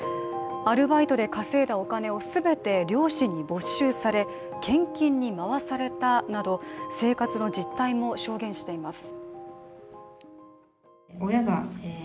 アルバイトで稼いだお金を全て両親に没収され献金に回されたなど生活の実態も証言しています。